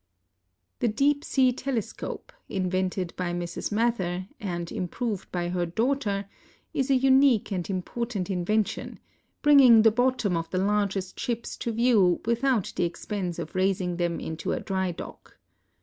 The deep sea telescope, invented by Mrs. Mather, and im proved by her daughter, is a unique and important invention, bringing the bottom of the largest ships to view without the ex pense of raising them into a dry dock.